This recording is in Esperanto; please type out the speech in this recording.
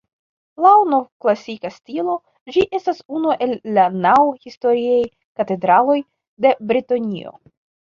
Laŭ novklasika stilo, ĝi estas unu el la naŭ historiaj katedraloj de Bretonio.